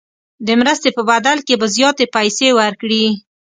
د مرستې په بدل کې به زیاتې پیسې ورکړي.